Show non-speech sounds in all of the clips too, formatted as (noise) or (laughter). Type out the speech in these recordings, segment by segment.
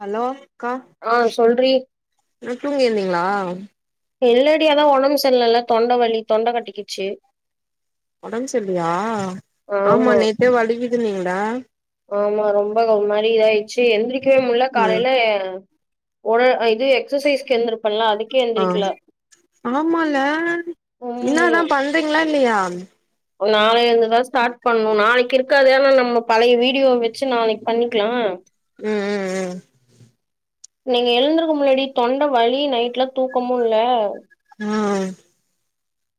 hello அக்கா ஆ சொல்றி ம் தூங்கி இருந்தீங்ளா இல்லடி அதா ஒடம்பு செரியில்லல்ல தொண்ட வலி தொண்ட கட்டிக்கிச்சு ஒடம்பு செர்லையா ஆமா நேத்தே வலிக்கிதுன்னீங்ளா ஆமா ரொம்ப ஒரு மாரி இதாயிர்ச்சு எந்திரிக்கவே முட்ல ம் காலைல ஒரு அ இது எக்ஸசைஸ்க்கு எந்திருப் ஆ ஆமால்ல இன்னாதா ம் பண்றீங்ளா இல்லையா நாளைல இருந்து தா ஸ்டார்ட் பண்ணு நாளைக்கி இருக்காது ஆனா நம்ம பழைய வீடியோ வெச்சு நாளைக்கு பண்ணிக்லா ம் ம் ம் நீங்க எழுந்திருக்க முன்னாடி தொண்ட வலி நைட்லா தூக்கமு இல்ல ஆ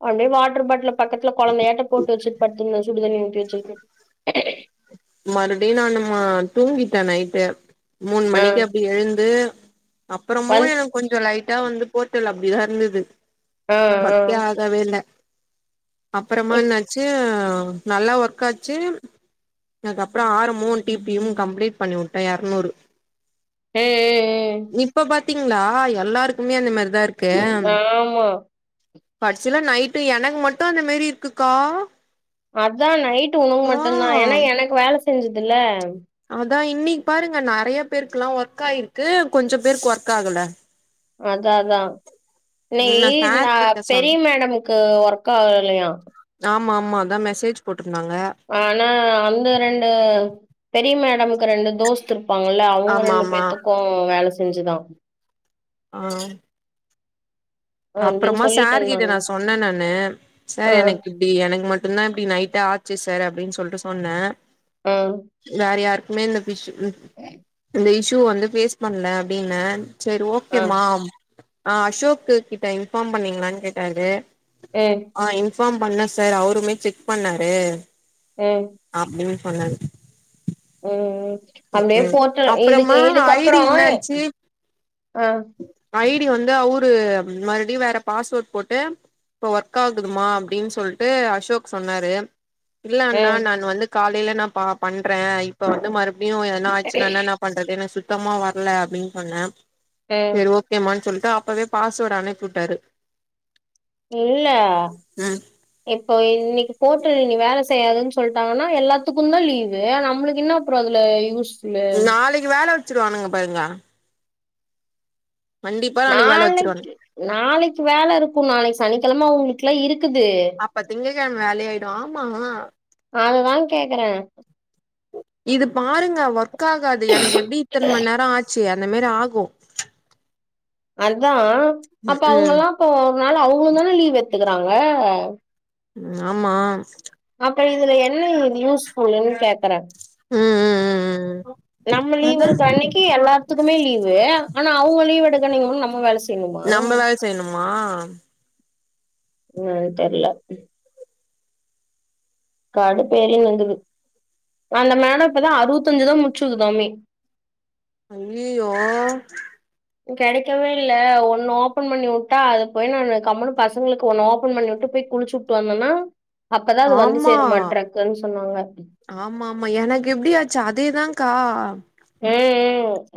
அப்டே வாட்ரு பாட்ல்ல பக்கத்துல கொழந்தயாட்ட போட்டு வச்சுட்டு படுத்துருந்த சுடுதண்ணியு (unintelligible) மறுப்டியு நா நம்ம தூங்கிட்ட நைட்டு மூண் ஆ மணிக்கப்டி எழுந்து அப்புறமு வந்து எனுக் கொஞ்சோ லைட்டா வந்து போர்ட்டுல அப்டி தா இர்ந்துது ஆ ஆ வர்க்கே ஆகவே இல்ல அப்பறமா ம் என்னாச்சு நல்லா ஒர்க்காச்சு (unintelligible) கப்றோ ஆரமோன் டிபியும் கம்ப்ளீட் பண்ணி உட்டே எர்நூறு எ எ எ அப்டிங்ளா எல்லாருக்குமே அந்த மாரிதா இருக் ஆம்மா கட்சில நைட்டு எனக்கு மட்டு அந்த மேரி இருக்குக்கா அதா நைட்டு உனுக்கு ஆ மட்டுந்தா ஏனா எனக்கு வேல செஞ்சிதுல்ல அதா இன்னிக் பாருங்க நெறைய பேருக்குல்லா ஒர்க் ஆயிருக்கு கொஞ்சோ பேருக் ஒர்க் ஆகல அதா அதா நீ ம் சார் நா கிட்ட பெரிய சொன்ன மேடமுக்கு ஒர்க் ஆகலியா ஆமா ஆமா அதா மெசேஜ் போட் ஆனா அந்த ரெண்டு பெரிய மேடமுக்கு ரெண்டு தோஸ்துரு ப்பாங்கல்ல அவுங்க ஆமா ரெண்டு ஆமா பேத்துக்கு வேல செஞ்சிதா அ அப்டின்னு அப்றமா சொல்லிட்டு சாரு கிட்ட இருந்தாங்க நா சொன்னே நானு சார் ஆ எனக்கிப்டி எனக் மட் டுந்தா இப்டி நைட்டு ஆச்சி சார் அப்டின் சொல்ட்டு சொன்ன ஆ வேற யாருக்மே இந்த இஷூ (unintelligible) இந்த இக்ஷூ வந்து பேஸ் பண்ல அப்டின்ன செரி ஆ ஓகேமா அம் ஆ அஷோக்கு கிட்ட இன்ஃபாம் பண்ணீங்ளான் கேட்டாரு அ இன்ஃபாம் பண்ண சார் அவுருமே செக் பண்ணாரு அப்டின் பண்ணாரு ம் ம் ம் அப்டியே போட்டு அப்புறமா இதுக்கு ஐ டி இதுக்கப்புறோ அ ஐடி வந்து அவுரு மறுப்டியு வேற பாஸ்வேட் போட்டு இப்போ ஒர்க் ஆகுதுமா அப்டின் சொல்ட்டு அஷோக் சொன்னாரு இல்ல அண்ணா ம் நான் வந்து காலையில நா ப பண்றே இப்ப வந்து மறு ப்டியு எத்ன ஆய்ச்சுன்னா என்னணா பண்றதுனு சுத்தமா வர்ல அப்பின் சொன்ன ம் செரி ஓகேமான் சொல்லிட்டு அப்பவே பாஸ்வேடு அனுப்வுட்டாரு இல்ல இப்போ இன்னிக்கு போர்ட்டு இன்னிக் வேல செய்யாதுன் சொல்ட்டாங்கன்னா எல்லாத்துக்குந்தா லீவு நம்ளுக் இன்னா அப்றோ அதுல யூஸ் நாளைக்கு வேல வச்சுருவானுங்க பாருங்க கண்டிப்பா வேல வச்சிருவானுங்க நாளைக்கு நாளைக்கு வேல இருக்கு நாளைக் சனிக்கெழம அவ்ங்ளுக்லா இருக் குது கெழ்ம வேலயாய்டு ஆமா அதுதா கேக்குறே இது பாருங்க ஒர்க் ஆகாது எனக்கு எப்டி இத்தன் மண் நேரோ ஆச்சு அந்த மாரி ஆகு அத்தா அப்ப ம் ம் அவுங்கல்லா இப்போ ஒரு நாள் அவ்ங்ளுந்தான லீவ் எத்துக்குறாங்க ஆமா அப்ப இதுல என்ன இது யூஸ்ஃபுல்ன்னு கேக்குறே ம் ம் ம் ம் நம்ம லீவ் அதா எடுக்ற அன்னைக்கி எல்லாத்துக்குமே லீவு ஆனா அவுங்க லீவ் எடுக்கனைக் (unintelligible) நம்ம வேல செ நம்ம வேல் செய்ணுமா இன்னானு தெர்ல ம் காடுப்பேரி வந்துடு அந்த மேடோ இப்பதா அறுவத்தஞ்சுதா முச்சுக்குதாமே அய்யியோ கிடைக்கவே இல்ல ஒண்ணு ஓபன் பண்ணி உட்டா அது போய் நான் கம்ம்பனுு பசங்களுக்கு ஒண்ணு ஓபன் பண்ணி உட்டு போய் குளிச்சு உட்டு வந்தோன்னா அப்பதான் அது வந்து ஆமா சேர மாட்ரா கொஞ்ச நாளா ஆமா ஆமா எனக்கு எப்படியாச்சு அதேதான்கா ஆ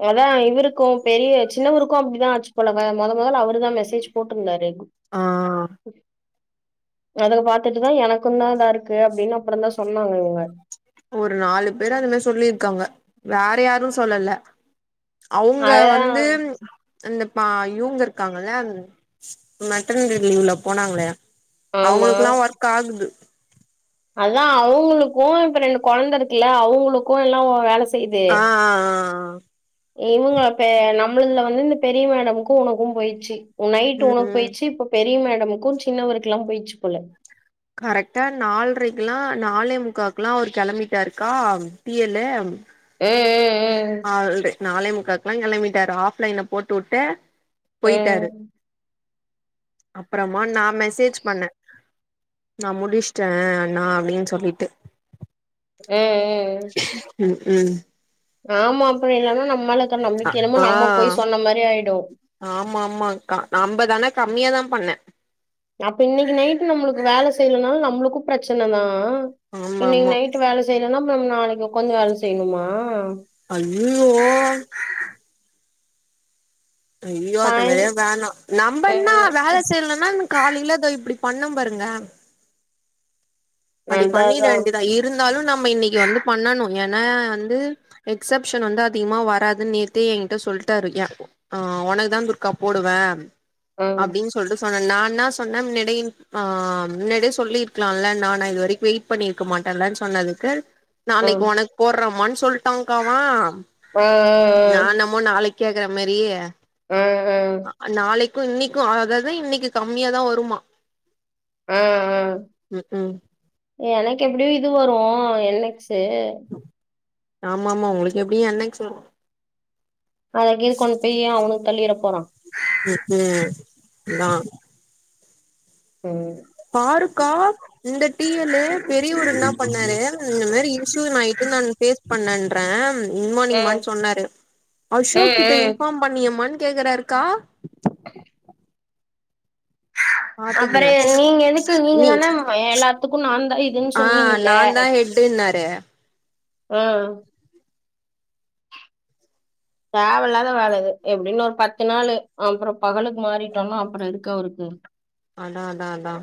அதான் இவருக்கும் பெரிய (unintelligible) சின்னவருக்கும் அப்படிதான் ஆச்சு போல முத முதல் அவரு தான் மெசேஜ் போட்ருந்தாரு ஆ ஆ எனக்கு பாத்துட்டுதா எனக்கும் தான் இதா இருக்கு அப்படின்னு அப்புறம் தான் சொன்னாங்க இவங்க ஒரு நாலு பேர் அந்த மாதி சொல்லியிருக்காங்க வேற யாரும் சொல்லல அவங்க அதா வந்து அந்த பா இவங்க இருக்காங்கள மெட்டர்னரி லீவ்ல போனாங்கள அவங்களுக்குெல்லா ஒர்க் ஆகுது அதான் அவங்களுக்கும் இப்ப ரெண்டு குழந்தை இருக்குல்ல அவங்களுக்கும் எல்லாம் வேலை செய் ஆ ஆ ஆ இவங்க நம்மதுல வந்து இந்த பெரிய மேடமுக்கும் உனக்கும் போயிச்சு நைட் ம் உனக்கு ம் போயிச்சு இப்ப பெரிய மேடமுக்கும் சின்னவருக்கு எல்லா போயிச்சு போல கரெக்டா நாலரைக்குெல்லா நாளே முக்காவு எல்லாம் அவர் கிளம்பிட்டாருக்கா டி எல் லு ம் ஆள் நாளேமுக்காளுக்ள கிளமிட்டாரு ஆஃப்லைன்ல போட்டு உட்டு ஆ அப்புறமா நான் மெசேஜ் பண்ணே நா முடிச்சிட்டேன் அண்ணா அப்படின்னு சொல்லிட்டு ஆ ஆ ம் ம் ஆமா அப்புறம் இல்ன்னா நம்மாலக்கற அ நம்மக்கு என்னமோ ஆ நம்ம போய் சொன்ன மாரி ஆயிடு ஆமா ஆமாக்கா நம்ப தானா கம்மியா தான் பண்ணே அப்ப இன்னைக்கு நைட்டு நம்மளுக்கு வேலை செய்யலும்னால நம்மளுக்கும் பிரச்சனதா ஆமா இன்னைக்கு ஆமா நைட்டு் வேலை செய்யலனா நம்ம நாளைக்கு உக்காந்து வேலை செய்யணுமா ஐயா ஓ ஐய்யோ அது சாய் மாரியா வேணா நம்ப என்னா ம் வேலை செய்லனா காலையில தோ இப்டி பண்ணூ பாருங்க படி அதா பண்ணிட அதா வேண்டிதா இருந்தாலு நம்ம இன்னிக்கு வந்து பண்ணணு ஏன்னா வந்து எக்சப்ஷன் வந்து அதிகமா வராதுன்னு நேத்தே என்கிட்ட சொல்டாரு ய ஆ உனக்குதா துர்கா போடுவே ஆ அப்டின்னு சொல்ட்டு சொன்னே நான் என்னா சொன்னே முன்னாடி ஆ முன்னடி சொல்லிருக்கலாலே நா நா இது வரைக்கு வெயிட் பண்ணிருக்க மாட்டல்ல சொன்னதுக்கு ஆ நாளைக்கு உனக்கு போட்றமா சொல்ட்டாங்கா அவ ஆ ஆ ஆ கேக்கற மாரி நாளைக் கு இன்னிக்கு அதாது இன்னிக்கு கம்மியாதா வருமா ஆ ஆ ம் ம் எனக்கு எப்டியு இது வரு என் கு ஆமா ஆமா உனக்கு எப்டியு என்எஸ் வரு அத கிது கொண்டு பெய் அவனுக்கு தள்ளிட போறா ஆ ம் நா ம் பாருக்கா இந்த டீ எல் லு பெரிய ஒரு என்ன பண்ணாரு இந்த மாரி (unintelligible) ட்டு நான் பேஸ் பண்ணே (unintelligible) மார்னிங் ம் மானு சொன்னாரு ம் அசோக் கிட்ட ம் இன்பார்ம் பண்ணிய மானு கேக்குறாருக்கா (inaudible) அப்பற பாத்துக்குங்க நீங்க எதுக்கு நீங்க நீ தான எல்லாத்துக்கு நான்தா இதுன்னு ஆ சொன்னீங்கல்ல நா தா ஹெட் னரு ம் தேவ இல்லாத வேல இது எப்புடி இன்னோரு பத்து நாளு அப்புறோ பகலுக்கு மாறிட்டோனா அப்புறோ இருக்கு அவுருக்கு அதா அதா அதா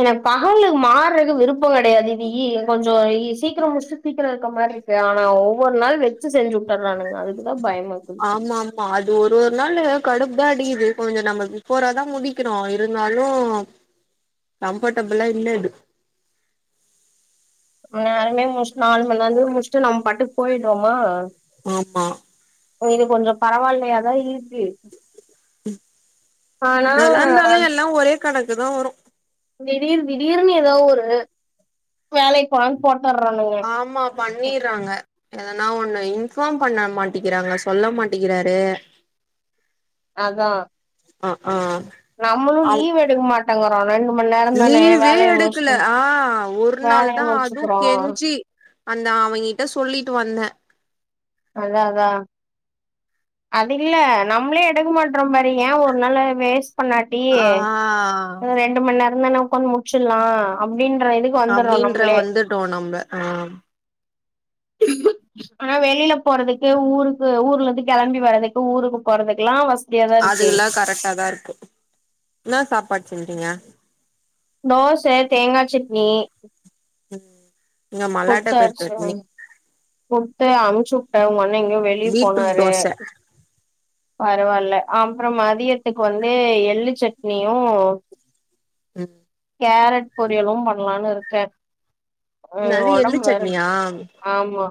எனக் பகலுக் மாற்றக்கு விருப்போ கடையாது நீயி ஓ கொஞ்சோ இ சீக்கரோ முஷ்ட்டு சீக்கரோ இருக்க மாரி இருக்கு ஆனா ஒவ்வொரு நாள் வெச்சு செஞ்சு உட்டுற்றானுங் ஆமா ஆமா அது ஒரு ஒரு நாளு கடுப்பு தா அடிக்கிது இப்போ கொஞ்ச நம்ப பிஃபோரா தா முடிக்கிறோ இருந்தாலு கம்ஃபர்டபுளா இல்ல இது நேரமே முஷ்ட் நாலுமண்லந்து முஷ்ட்டு நம் பாட்டுக்கு போயிட்ரோமா ஆமா இது கொஞ்சோ பரவாயில்லையாதா இருக்கு ம் ஆனா இன்னாதா இருந்தாலு எல்லா ஒரே கணக்கு தா வரு திடீர் திடீர்னு ஏதோ ஒரு வேலைக் போலான் போட் ஆமா பண்ணிட்றாங்க எதனா ஒண்ணு இன்ஃபார்ம் பண்ண மாட்டிக்கிறாங்க சொல்ல மாட்டிக்கிறாரு அதா ஆ ஆ நம்மளு அவ் லீவ் எடுக்க மாட்டாங்கோ லீவே எடுக்கல ஆ ஒரு நாள் வேலைய தா அதுவு முடிச்சுக்கிறோ கெஞ்சி அந்த அவங் கிட்ட சொல்லிட்டு வந்த அதா அதா அதில்ல நம்ளே எடுக்க மாட்றோ பாரு ஏ ஒரு நாள வேஸ் ட் பண்ணாட்டி ஆ ரெண்டு மண் நேரந் தான உக்காந்து மு டிச்சிர்லா அப்டின்ற இதுக்கு வந்துடுறோ அப்டின்ற நம்ளே வந்துட்டோ நம்ப ஆ ஆனா வெளில போறதுக்கு ஊருக்கு ஊர்ல இருந்து கெளம்பி வரறதுக்கு ஊருக்கு போறதுக்குல்லா வ அதுகல்லா கரெக்டாதா இருக்கு என்னா சாப்பாடு செஞ்சிங்க தோச தேங்கா சட்னி இங்க மல்லாட்ட முட்ட பயிர் அவிச்ச சட்னி குடுத்து அனுப்ச்சு அவரு எங்கயோ வெளிய பீட்ரூட் போனாரு தோச பரவால்ல அப்ற மதியத்துக்கு வந்து எள்ளு சட்னியு ம் கேரட் பொரியலு பண்லானு இருக்க அ என்னது எள்ளு ஒடம்பு வேற சட்னியா ஆமா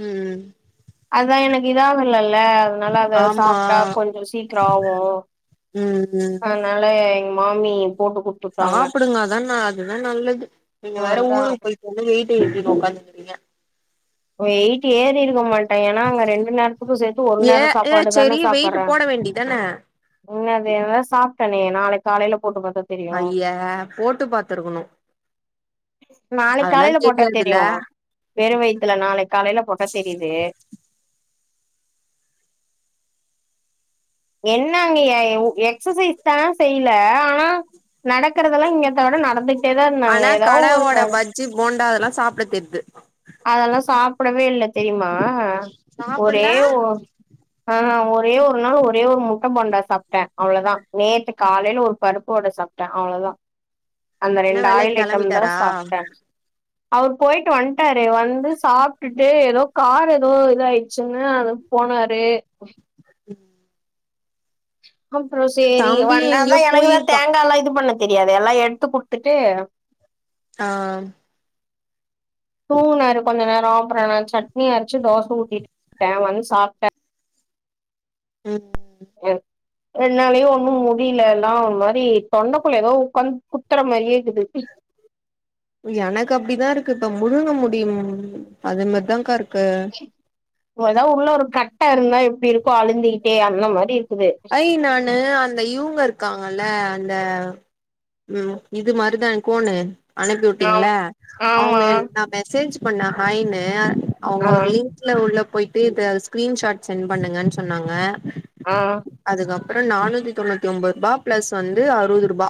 ம் அதா எனக்கு இதாகலல்ல அதனால அத ஆமா சாப்ட்டா கொஞ்ச சீக்கிர ஆவு ம் ம் அதனால எங்க மாமி போட்டு குடுத்துட்டாங்க சாப்புடுங்க அதான அதுதா நல்லது நீங்க வேற அதா ஊருக்கு போயிட்டு வந்து வெய்ட் ஏத்திட்டு ஒக்காந்துட்டு இருக்கிங்க வெயிட் ஏறிருக்க மா ட்ட ஏன்னா அங்க ரெண்டு நேரத்துக்கு சேத்து ஒரு ஏ நேர ஏ சாப்பாடுதான செரி வெயிட்டு சாப்பட்றே போட வேண்டிதான இன்ன அதையதா சாப்ட்டனே நாளைக் காலையில ஐயே போட்டு பாத்துருக்கணு நாளைக் அதெல்லா காலையில போட்டா தெரியாதுல்ல தெரியு வெறு வயித் துல நாளைக் காலையில போட்டா தெரியுது என்ன அங்க எ எக்சசைஸ்தா செய்ல ஆனா நடக்கறது அதெல்லா இங்கத்த விட நடந்துகிட்டேதா இருந்த அங்க எதா ஒரு வே ன சாப்ட தெரிது டவே இல்ல தெரிமா ஒரே சாப்புட்ல ஒ ஆ ஒ ஒரே ஒரு நாள் ஒரே ஒரு முட்ட போண்டா சாப்ட்ட அவ்வளதா நேத்து காலையில ஒரு பருப்புவட சாப்ட்ட அவ்ளதா அந்த என்ன ரெண்டு வேலைக்கு ஆயில் ஐட்டம்தா கெளம்பிட்டாரா சாப்ட்ட அவர் போயிட்டு வன்ட் டாரு வந்து சாப்டுட்டு எதோ கார் எதோ இது ஆயிச்சுன்னு அதுக் போனாரு அப்ற சேரி தம்பி வந்தாதா எங்கயோ எனக்குதா போயிருக்கா தேங்காலா இது பண்ண தெரியாது எல்லா எடுத்து குடுத்துட்டு ஆ தூங்குனாரு கொஞ்ச நேர அப்பற நா சட்னி அரைச்சு தோச ஊத்திட்டே வந்து சாப்ட்டா ம் என்னாலயு ஒன்னு முடில எல்லா ஒரு மாரி தொண்டைக்குள்ள எதோ உக்காந்து குத்தற மாரியே இருக்குது எனக்கு அப்படிதா இருக்கு இப்ப முழுங்க முடியும் அது மாரிதாங்க்கா இருக்கு ஏதா உள்ள ஒரு கட்ட இருந்தா எப்டி இருக்கு அழுந்திகிட்டே அந்த மாரி இரு ஐ நானு அந்த இவங்க இருக்காங்கல அந்த ம் இது மாரிதா கோணு அனுப்பி ஆம் வுட்டிங்களா ஆமா அவங்க நா மெசேஜ் பண்ணே ஹாய்னு அவங்க ஆ ஒரு லிங்க்ல உள்ள போயிட்டு இத ஸ்கிரீன் ஷாட் சென்ட் பண்ணுங்கன் சொன்னாங்க ஆ அதுக்கப்புற நானூத்தி தொண்ணூத்தி ஒம்போது ருவா பிளஸ் வந்து அறுபது ருபா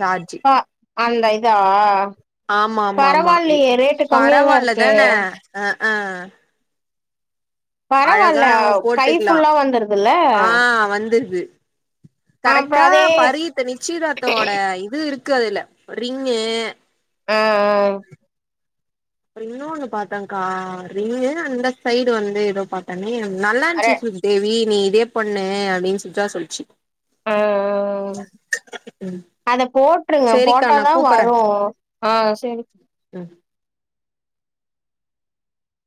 சார்ஜு பா அந்த இதா ஆமா ஆமா ஆமா பரவாயில்லயே ரேட்டு கம்மியாதா பரவால்ல இருக்கு தானே அ ஆ அழகா பரவால்ல நம்ம கை போட்டுக்லா ஃபுல்லா வந்துருதுல்ல ஆ வந்துருது அப்புறோ கரெக்ட்டா அதே பரீத் நிச்சயதார்த்தோட இது இருக்கு அதுல ரிங்கு ஆ அப்ற இன்னோனு பாத்தங்க்கா ரிங்கு அந்த சைடு வந்து எதோ பாத்தனே ஆ நல்லாருந்துச்சு சு தேவி நீ இதே பண்ணு அப்டின்னு சுஜா சொல்லுச்சு ஆ ஆ அ ம் அத போட்ருங்க சேரிக்கா நா போட்டாதா கூப்பறே வரு ஆ செரி ம்